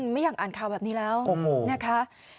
ไม่อยากอ่านข่าวแบบนี้แล้วนะคะ